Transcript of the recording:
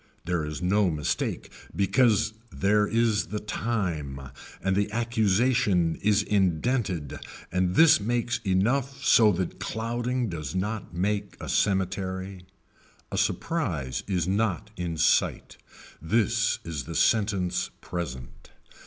There is no mistake because there is the time and the accusation is indented and this makes enough so that clouding does not make a cemetery. A surprise is not in sight. This is the sentence present.